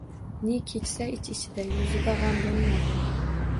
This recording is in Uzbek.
Ne kechsa ich-ichida — yuzida g‘am bo‘lmadi.